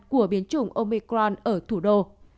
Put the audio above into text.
của biến chủng omicron ở thủ đô